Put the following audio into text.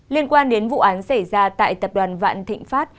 liên quan đến vụ án xảy ra tại tập đoàn vạn thịnh pháp